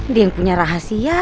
dia yang punya rahasia